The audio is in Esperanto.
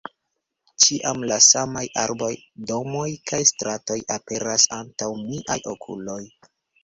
Ĉiam la samaj arboj, domoj kaj stratoj aperas antaŭ miaj okuloj.